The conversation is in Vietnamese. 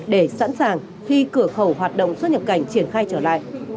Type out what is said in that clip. để sẵn sàng khi cửa khẩu hoạt động xuất nhập cảnh triển khai trở lại